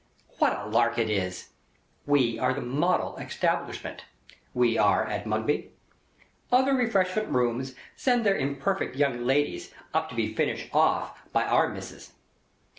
What a lark it is! We are the Model Establishment, we are, at Mugby. Other Refreshment Rooms send their imperfect young ladies up to be finished off by our Missis.